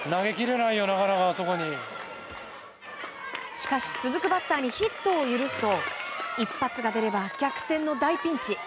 しかし、続くバッターにヒットを許すと一発が出れば逆転の大ピンチ。